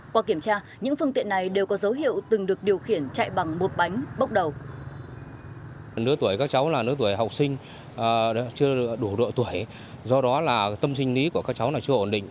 qua kiểm tra những phương tiện này đều có dấu hiệu từng được điều khiển chạy bằng một bánh bốc đầu